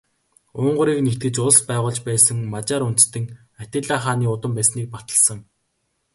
Унгарыг нэгтгэж улс байгуулж байсан Мажар үндэстэн Атилла хааны удам байсныг баталсан.